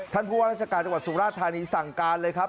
ท่านผู้ว่าราชการจังหวัดสุราชธานีสั่งการเลยครับ